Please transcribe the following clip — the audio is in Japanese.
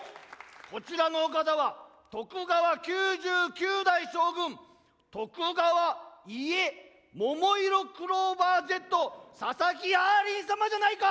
こちらのお方は徳川９９代将軍徳川家ももいろクローバーＺ佐々木あーりん様じゃないか！